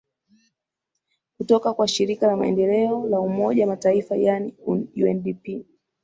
kutoka kwa shirika la maendeleo la umoja mataifa yaani undp